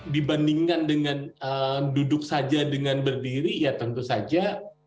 dibandingkan dengan duduk saja dengan berdiri ya tentu saja